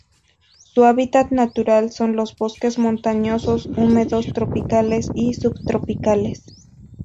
Su hábitat natural son los bosques montañosos húmedos tropicales y subtropicales.